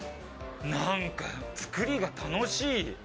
何か、作りが楽しい！